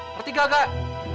ngerti gak kak